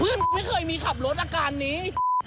เพื่อนผมไม่เคยมีขับรถอาการนี้